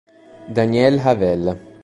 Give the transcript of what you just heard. Daniel Havel